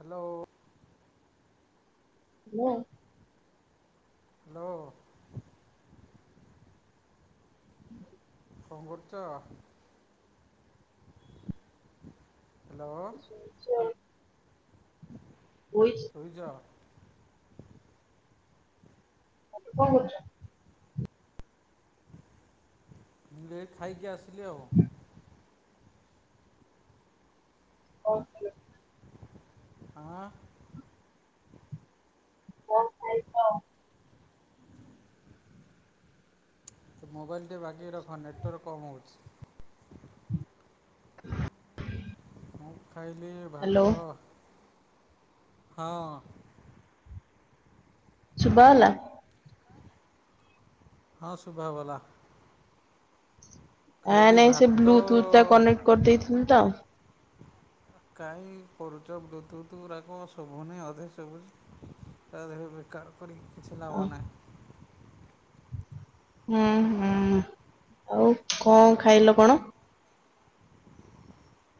Hello. Hello. Hello. [inaudible] [inaudible] କଣ କରୁଛ? Hello. [inaudible] ଶୋଇଚ? ତମେ କଣ କରୁଚ? ମୁଁ ଏ ଖାଇକି ଆସିଲି ଆଉ। କଣ ଖାଇଲ? ଆଁ? କଣ ଖାଇଚ? ତ ମୋବାଇଲ୍ ଟିକେ ବାଗେକି ରଖ ନେଟୱାର୍କ କମ୍ ହଉଛି। ମୁଁ ଖାଇଲି ଭାତ ହଁ। ଶୁଭା ଗଲା? ହଁ ଶୁଭା ଗଲା। ଆ ନାଇଁ ସେ ଭାତ ବ୍ଲୁଟୁଥ ଟା କନେକ୍ଟ କରିଦେଇଥିଲି ତ। କାଇଁ କରୁଚ ବ୍ଲୁଟୁଥ ଅରାକ ଶୁଭୁନି ଆଉ ଥରେ ସବୁ ତା ଦେହ ବେକାର କରିକି କିଛି ଆ, ଲାଭ ନାହିଁ। ହୁଁ ହୁଁ ଆଉ କଣ ଖାଇଲ କଣ?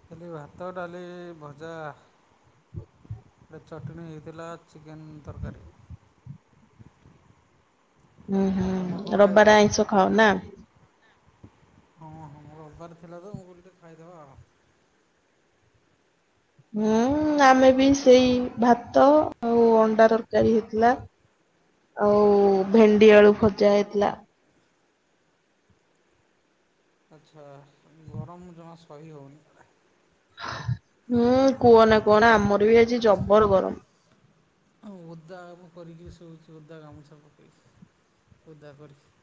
ଖାଲି ଭାତ, ଡାଲି, ଭଜା। ଗୋଟେ ଚଟଣୀ ହେଇଥିଲା, ଚିକେନ ତରକାରୀ। ହୁଁ ହୁଁ ତୁମେ କଣ ଖାଇଲ ରବିବାରେ ଆଇଁଷ ଖାଅ ନା? ହଁ ହଁ ରବିବାର ଥିଲା ତ ମୁଁ କହିଲି ଟିକେ ଖାଇଦେବା ଆଉ। ହୁଁ ଆମେ ବି ସେଇ ଭାତ ଆଉ ଅଣ୍ଡା ତରକାରୀ ହେଇଥିଲା ଆଉ ଭେଣ୍ଡି ଆଳୁ ଭଜା ହେଇଥିଲା ଆଚ୍ଛା ଗରମ ଜମା ସହି ହଉନି ହୁଁ କି କୁହନା କୁହନା ଆମର ବି ଆଜି ଜବର ଗରମ ମୁଁ ଓଦା ମୁଁ କରିକିରି ଶୋଇଛି ଓଦା ଗାମୁଛା ପକେଇଛି ଓଦା କରିକି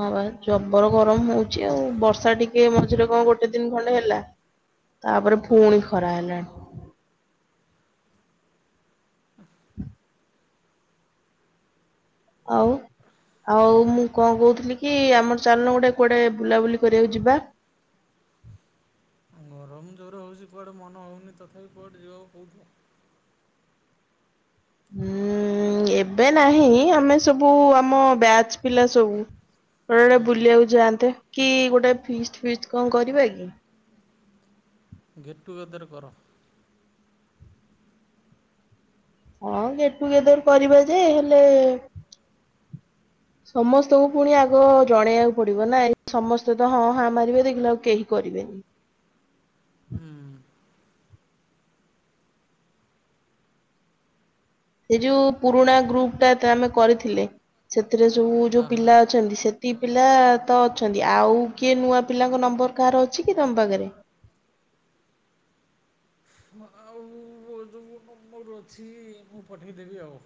ହଁ ବା ଜବର ଗରମ ହଉଛି ଆଉ ବର୍ଷା ଟିକେ ମଝିରେ କଣ ଗୋଟେ ଦିନ ଖଣ୍ଡେ ହେଲା [inaudible] ତାପରେ ପୁଣି ହଁ ଖରା ହେଲାଣି, [inaudible] ଆଉ ଆଉ ମୁଁ କଣ କହୁଥିଲି କି ଆମର ଚାଲୁନ ଗୁଟେ କୁଆଡେ ବୁଲାବୁଲି କରିବାକୁ ଯିବା ଗରମ ଯୋର ହଉଛି କୁଆଡ଼େ ମନ ହେଉନି ତଥାପି କୁଆଡେ ଯିବାକୁ କହୁଥିଲ? ହୁଁ ଏବେ ନାହିଁ ଆମେ ସବୁ ଆମ ବ୍ୟାଚ୍ ପିଲା ସବୁ ଗୋଟେ ଗୋଟେ ହୁଁ ବୁଲିବାକୁ ଯାଆନ୍ତେ କି ଗୋଟେ ଫିଷ୍ଟ୍ ଫିଷ୍ଟ କଣ କରିବା କି ଗେଟ୍ ଟୁଗେଦର୍ କର ହଁ ଗେଟ ଟୁ ଗେଦର କରିବା ଯେ ହେଲେ [inaudible] ସମସ୍ତଙ୍କୁ ପୁଣି ଆଗ ଜଣେଇବାକୁ ପଡିବ ନା ସମସ୍ତେ ତ ହଁ ହଁ ମାରିବେ ଦେଖିଲେ ଆଉ କେହି କରିବେନି ହୁଁ ସେ ଯୋଉ ପୁରୁଣା ଗ୍ରୁପ ଟା ଆମେ କରିଥିଲେ ସେଥିରେ ସବୁ ଯୋଉ ହଁ ହଁ ପିଲା ଅଛନ୍ତି ସେ ତି ପିଲା ତ ଅଛନ୍ତି ଆଉ କିଏ ନୂଆ ପିଲାଙ୍କ ନମ୍ବର କାହାର ଅଛି କି ତମ ପାଖରେ? ଆଉ ଯଉ ମୋର ଅଛି ମୁଁ ପଠେଇଦେବି ଆଉ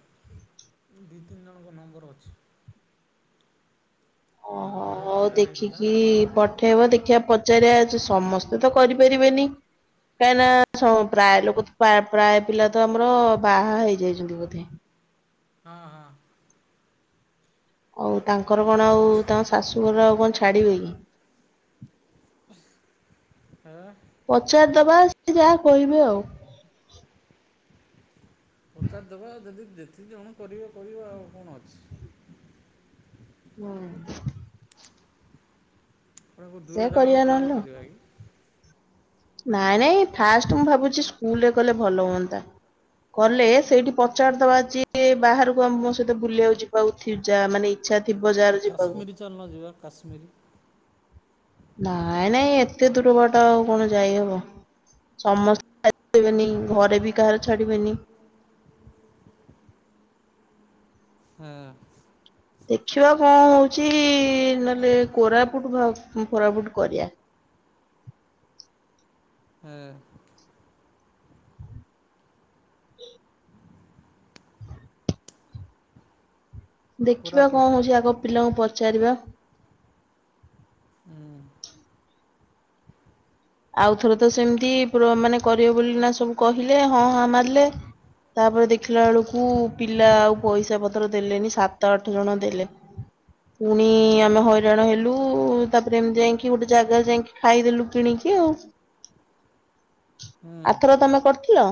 ମୁ ଦୁଇ ତିନି ଜଣଙ୍କ ନମ୍ବର ଅଛି ଓହୋ ପରେ ହଉ କଣ୍ଟାକ୍ଟ ହେଇଥିଲା ଦେଖିକି ପ - ଉଠେଇବ ଦେଖିବା ପଚାରିବା ସମସ୍ତେ ତ କରିପାରିବେନି, କାହିଁ ନା ପ୍ରାୟ ଲୋକ ପ୍ରାୟ ପିଲା ତ ଆମର ବାହା ହେଇଯାଇଛନ୍ତି ବୋଧେ ହଁ ହଁ ଆଉ ତାଙ୍କର ବାହା କଣ ଆଉ ତାଙ୍କ ହେଇଯାଇଛନ୍ତି ଶାଶୁଘର ଆଉ କଣ ଛାଡିବେ କି ହାଁ ପଚାରିଦବା ସେ ଯାହା କହିବେ ଆଉ ପଚାରିଦବା ଯଦି ଯେତିକି ଜଣ କରିବ କରିବ ଆଉ କଣ ଅଛି [unintelligible] କଉ ସେ ଦୂର କରିବା ଜାଗାକୁ ନହେଲେ। ପ୍ଲାନ୍ ଆଉ। କରିବା କି? ନାଇଁ ନାଇଁ ଫାଷ୍ଟ ମୁଁ ଭାବୁଛି ସ୍କୁଲରେ କଲେ ଭଲ ହୁଅନ୍ତା କଲେ ସେଇଠି ପଚାରିଦବା ଯେ ବାହାରକୁ ଆମ ମୋ ସହିତ ବୁଲିିବାକୁ ଯିବାଉଥିବ ଯା ମାନେ ଇଚ୍ଛା ଥିବ ଆଉ ଯାହାର ଯିବାକୁ କାଶ୍ମୀର ଚାଲୁନ ଯିବା କାଶ୍ମିର ନାଇଁ ନାଇଁ ଏତେ ଦୂର ବାଟ ଆଉ କଣ ଯାଇହବ ସମସ୍ତେ [unintelligible] ବେନି ଘରେ ବି କାହାର ଛାଡିବେନି ହଁ ଦେଖିବା କଣ ହଉଚି ନହେଲେ କୋରାପୁଟ ଭା ଫୋରାପୁଟ କରିଆ ଏ [inaudible] [inaudible] ଦେଖିବା କଣ କୋରାପୁଟ ହଉଚି ଆଗ ପିଲାଙ୍କୁ ପଚାରିବା ଉଁ ଆଉଥର ତ ସେମିତି ପୁର ମାନେ କରିବ ବୋଲି ନା ସବୁ କହିଲେ ହଁ ହାଁ ମାରିଲେ ତାପରେ ଦେଖିଲା ବେଳୁକୁ ପିଲା ଆଉ ପଇସା ପତ୍ର ଦେଲେନି ସାତ ଆଠ ଜଣ ଦେଲେ ପୁଣି ହୁଁ, ଆମେ ହଇରାଣ ହେଲୁ ତାପରେ ଏମିତି ଯାଇକି ଗୋଟେ ଜାଗା ଯାଇକି ଖାଇଦେଲୁ କିଣିକି କି ଉ ହୁଁ। ଆରଥର ତମେ କରିଥିଲ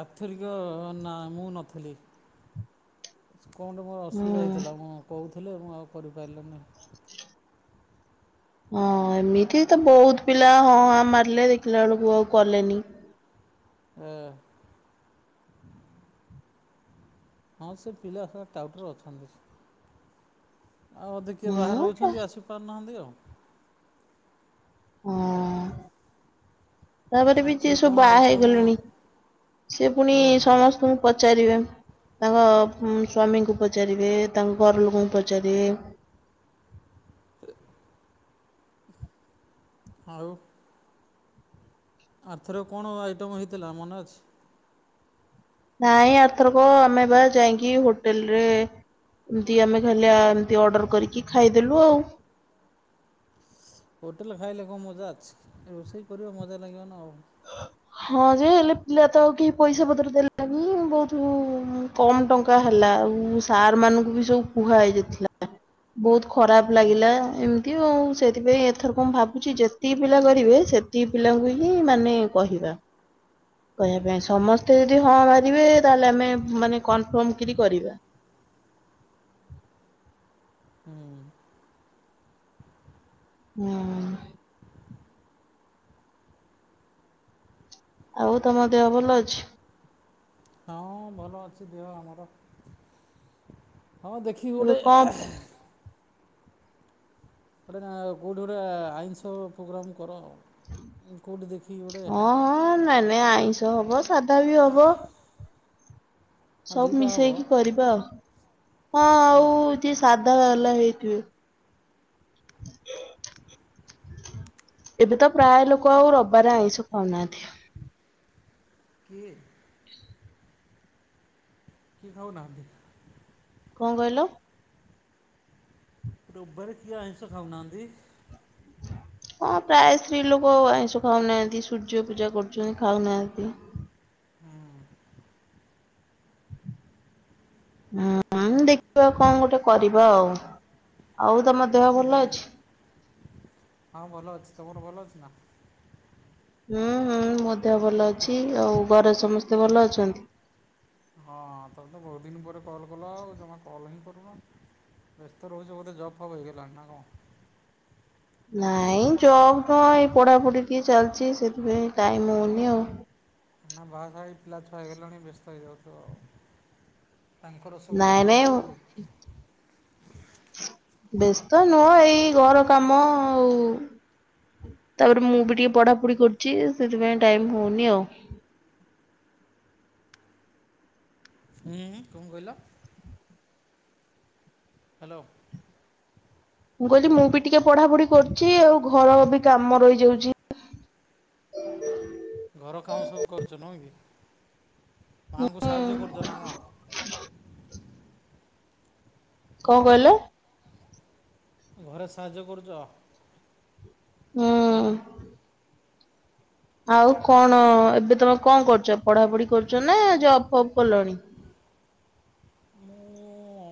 ଆଥରିକ ନାଁ ମୁଁ ନଥିଲି କଣ ଗୋଟେ ମୋର ଅସୁବିଧା ହୁଁ ହେଇଥିଲା ମୁଁ କହୁଥିଲି ମୁଁ ଆଉ କରିପାରିଲିନି। ହଁ ଏମିତି ତ ବହୁତ ପିଲା ହଁ ହାଁ ମାରିଲେ ଦେଖିଲା ବେଳୁକୁ ଆଉ କଲେନି। ଆ। ହଁ ସେ ପିଲା ଶଳା ଟାଉଟର ଅଛନ୍ତି। ଆଉ ଅଧେ କିଏ ବାହାରେ ହୁଁ ତା- ରହୁଛନ୍ତି ଆସିପାରୁନାହାଁନ୍ତି ଆଉ। ହଁ। ତାପରେ ବି ଯିଏ ଆଥରିକ ସବୁ କ'ଣ ବାହା ଆଇଟମ୍ ହେଇଗଲେଣି ସେ ପୁଣି ହଁ ହଁ ସମସ୍ତଙ୍କୁ। ପଚାରିବେ ତାଙ୍କ ଉଁ ସ୍ୱାମୀଙ୍କୁ ପଚାରିବେ ତାଙ୍କ ଘର ଲୋକଙ୍କୁ ପଚାରିବେ। ଆଉ ଆରଥର କଣ ଆଇଟମ୍ ହେଇଥିଲା ମନେ ଅଛି? ନାଇଁ ଆରଥରକ ଆମେ ବା ଯାଇଁକି ହୋଟେଲରେ। ଇମିତି ଆମେ ଖାଲି ଆ ଏମିତି ଅର୍ଡର କରିକି ଖାଇଦେଲୁ ଆଉ। ହୋଟେଲରେ ଖାଇଲେ କଣ ମଜା ଅଛି ରୋଷେଇ କରିବ ମଜା ନାଗିବ ନା ଆଉ। ହଁ ଯେ ହେଲେ ପିଲା ତ ଆଉ କେହି ପଇସା ପତର ଦେଲେନି। ବୋହୁତୁ ଉଁ କମ୍ ଟଙ୍କା ହେଲା ଆଉ ସାର ମାନଙ୍କୁ ବି ସବୁ କୁହା ହେଇଯାଇଥିଲା। ଆ ବୋହୁତ ଖରାପ ହୁଁ ଲାଗିଲା ଏମ ତି ଆଉ ସେଇଥିପାଇଁ ଏଥରକ ମୁଁ ଭାବୁଚି ଯେତିକି ପିଲା କରିବେ ସେତିକି ପିଲାଙ୍କୁ ହିଁ ମାନେ। କହିବା। କହିବା ହୁଁ ପାଇଁ ସମସ୍ତେ ଯଦି ହଁ ମାରିବେ ତାହେଲେ ଆମେ ମାନେ କନଫର୍ମ କିରି କରିବା। ହୁଁ। ହୁଁ। ଆଉ ତମ ଦେହ ଭଲ ଅଛି? ହଁ ଭଲ ଅଛି ଦେହ ଆମର ହଁ ଦେଖିକି ଏବେ ଗୋଟେ। କଣ [unintelligible] ଆଉ କୋଉଠି ଗୋଟେ ଆଇଁଷ ପୋଗ୍ରାମ୍ କର ଆଉ। କେଉଁଠି ଦେଖିକି ଗୋଟେ ହଁ ହଁ ନାଇଁ ନାଇଁ ଆଇଁଷ ହବ ସାଧା ବି ହବ। ହଁ ସବୁ ଦୁଇଟା ହେବ ମିଶେଇକି ହଁ କରିବା ଆଉ ହଁ ଆଉ। ଯିଏ ସାଧାବାଲା ହେଇଥିବେ। ଏବେ ତ ପ୍ରାୟ ଲୋକ ଆଉ ରବାରେ ଆଇଁଷ ଖାଉ ନାହାନ୍ତି। କିଏ? କିଏ ଖାଉନାହାନ୍ତି? କଣ କହିଲ? ରବାରେ କିଏ ଆଇଁଷ ଖାଉନାହାନ୍ତି? ହଁ ପ୍ରାୟ ସ୍ତ୍ରୀଲୋକ ଆଇଁଷ ଖାଉନାହାନ୍ତି ସୂର୍ଯ୍ୟ ପୂଜା କରୁଚନ୍ତୀ ଖାଉନାହାନ୍ତି। ହୁଁ। [inaudible] ଉଁ ଦେଖିଆ କଣ ଗୋଟେ କରିବା ଆଉ। ଆଉ ତମ ଦେହ ଭଲ ହୁଁ ଅଛି? ହଁ ଭଲ ଅଛି। ତମର ଭଲ ଅଛି ନା? ହୁଁ ହୁଁ ମୋ ଦେହ ଭଲ ଅଛି। ଆଉ ଘରେ ସମସ୍ତେ ଭଲ ଅଛନ୍ତି? ହଁ ତମେ ତ ବହୁତ୍ ଦିନ୍ ପରେ କଲ୍ କଲ ଆଉ ଜମା କଲ୍ ହିଁ କରୁନ। ବ୍ୟସ୍ତ ରହୁଛ ବୋଧେ ଜବ୍ ଫବ୍ ହେଇଗଲାଣି ନା କଁ? ନାଇଁ ଜବ୍ କଁ ଏଇ ପଢାପଢି ଟିକେ ଚାଲିଛି ସେଥିପାଇଁ ଟାଇମ୍ ହଉନି ଆଉ। ନା ବାହାସାଆ ହେଇକି ପିଲା ଛୁଆ ହେଇଗଲାଣି ବ୍ୟସ୍ତ ହେଇଯାଉଥିବ ଆଉ। ତାଙ୍କର ସବୁ ନାଇଁ କଲା ନାଇଁ ବେଳକୁ ମୁଁ। ବ୍ୟସ୍ତ ନୁହଁ ଏଇ ଘର କାମ ଆଉ। ତାପରେ ମୁଁ ବି ଟିକେ ପଢାପଢି କରୁଛି ସେଥିପାଇଁ ଟାଇମ୍ ହଉନି ଆଉ। ହୁଁ ହୁଁ କଣ କହିଲ? ହାଲୋ। ମୁଁ କହିଲି ମୁଁ ବି ଟିକେ ପଢା ପଢି କରୁଛି ଆଉ ଘର ବି କାମ ରହିଯାଉଛି। ଘର କାମ ସବୁ କରୁଛ ନୁହଁ କି ମାଆଙ୍କୁ ସାହାଯ୍ୟ କରୁଛ ନା କଂ? [inaudible] କଣ କହିଲେ? ଘରେ ସାହାଯ୍ୟ କରୁଛ? ହମ୍। ଆଉ ଆଚ୍ଛା କଣ ଏବେ ତମେ କଣ କରୁଛ ପଢାପଢି କରୁଛ ନା ଜବ୍ ଫବ୍ କଲଣି? ମୁଁ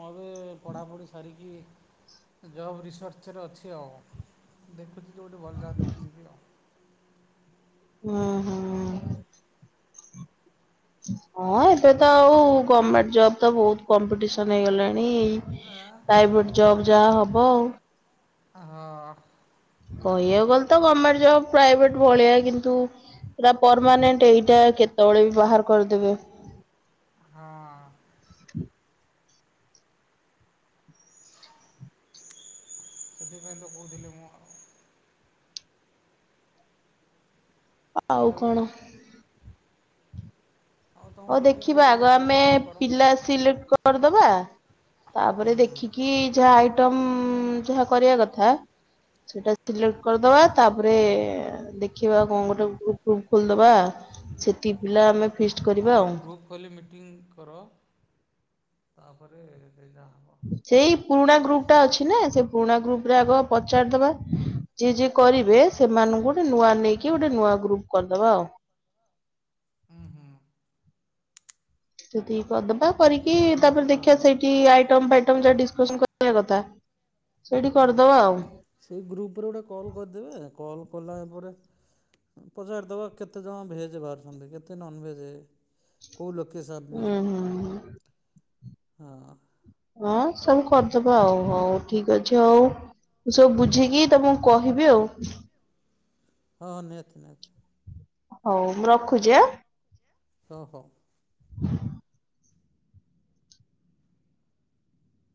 ଏବେ ପଢ଼ାପଢ଼ି ସାରିକି ଜବ୍ ରିସର୍ଚରେ ଅଛି ଆଉ ଦେଖୁଛି ଯୋଉଠି ଭଲ ଜାଗା ଦେଖି ଯିବି ଆଉ। ହୁଁ ହୁଁ। ହଁ ବୁଝିଲେ ଏବେ କି ତ ଆଉ ଗମେଣ୍ଟ ଜବ୍ ତ ଵହୁତ୍ କମ୍ପିଟିସନ୍ ହେଇଗଲାଣି। ହଁ ପ୍ରାଇଭେଟ୍ ଜବ୍ ଯାଆ ହବ ଆଉ। ହଁ। କହିବାକୁ ଗଲେ ତ ଗମେଣ୍ଟ ଜବ୍ ପ୍ରାଇଭେଟ୍ ଭଳିଆ କିନ୍ତୁ ଏଟା ପରମାନେେଣ୍ଟ ଏଇଟା କେତେବେଳେ ବି ବାହାର୍ କରିଦେବେ। ହଁ। ସେଥିପାଇଁ ତ କହୁଥିଲି ମୁଁ ଆଉ ଆଉ କଣ? ଆଉ ହଉ ତୁମେ ଦେଖିକି ଦେଖିବା କେଉଁଠି ଗୋଟେ ଆଗ ଜବ୍ ଆମେ ଫବ୍ କର ପିଲା ସିଲେକ୍ଟ କରଦବା ତାପରେ ହୁଁ ଦେଖିକି କି ଯାହା ଆଇଟମ୍ ଯାହା କରିବା କଥା। ସେଟା ସିଲେକ୍ଟ କରଦବା ତା ପରେ ଦେଖିବା କଣ ଗୋଟେ ଗ୍ରୁପ୍ ଫ୍ରୁପ୍ ଖୋଲିଦବା ସେତିକି ପିଲା ଆମେ ଫିସ୍ ଆମର ଗ୍ରୁପ୍ ଖୋଲି ମିଟିଂ କର ତାପରେ ସେଇଟା ହବ। ସେଇ ପୁରୁଣା ଗ୍ରୁପ ଟା ଅଛି ନା ସେ ପୁରୁଣା ଗ୍ରୁପ ରେ ଆଗ ପଚାରିଦବା ଯିଏ ଯିଏ କରିବେ ହଁ ସେମାନଙ୍କୁ ଗୋଟେ ନୂଆ ନେଇକି ଗୋଟେ ନୂଆ ଗ୍ରୁପ କରଦବା ଆଉ। ହୁଁ ହୁଁ। ସେତିକି କର୍ ଦବା କରିକି ହୁଁ ସେମିତି କଲେ ତାପରେ ଦେଖିଆ ଭଲ ସେଇଠି ଆଇଟମ୍ ଫାଇଟମ୍ ଯାହା ଡ଼ିସ୍ ଟିଉସନ୍ କରିବା କଥା ସେଇଠି ହୁଁ। କରିଦବା ଆଉ। ସେଇ ଗ୍ରୁପରେ ଗୋଟେ କଲ୍ କରିଦେବେ କଲ୍ କଲା ପରେ ପଚାରିଦବା କେତେଜଣ ଭେଜ୍ ଭାରୁଛନ୍ତି କେତେ ନନ୍ ଭେଜେ। କୋଉ ଲୋକେସନ୍ ଉୁଁ ହୁଁ। ହଁ ହଁ ସବୁ କରିଦବା ଆଉ ହଉ ଠିକ୍ ଅଛି ଆଉ। ସବୁ ବୁଝିକି ତମକୁ କହିବି ଆଉ। ହଁ ନିହାତି ନିହାତି। ହଉ ମୁଁ ରଖୁଛି ଆଁ। ହଁ ହଉ।